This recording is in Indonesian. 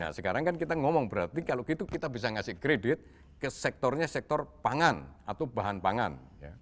nah sekarang kan kita ngomong berarti kalau gitu kita bisa ngasih kredit ke sektornya sektor pangan atau bahan pangan